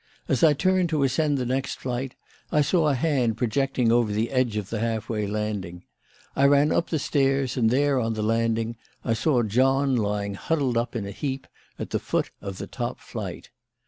As I turned to ascend the next flight, I saw a hand projecting over the edge of the half way landing. I ran up the stairs, and there, on the landing, I saw John lying huddled up in a heap at the foot of the top flight.